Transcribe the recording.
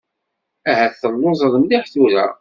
Ahat telluẓeḍ mliḥ tura.